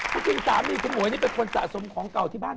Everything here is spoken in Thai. ถ้าเป็นสามีคุณอ่วยเนี่ยเป็นคนสะสมของเก่าที่บ้าน